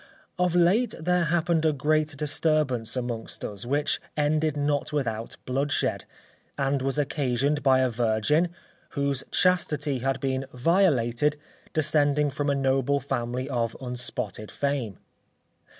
"Of late there happened a great disturbance among us, which ended not without bloodshed; and was occasioned by a virgin, whose chastity had been violated, descending from a noble family of unspotted fame.